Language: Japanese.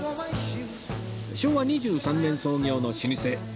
昭和２３年創業の老舗